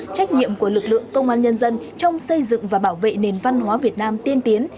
trách nhiệm của lực lượng công an nhân dân trong xây dựng và bảo vệ nền văn hóa việt nam tiên tiến